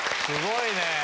すごいね？